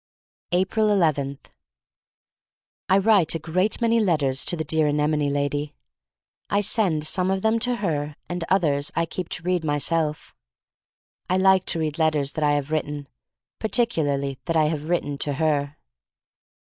Bptfl tt. 1 WRITE a great many letters to the dear anemone lady. I send some of them to her and others I keep to read myself. I like to read letters tha< I have written — particularly that I have written to her.